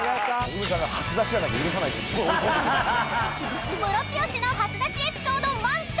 ［ムロツヨシの初出しエピソード満載！］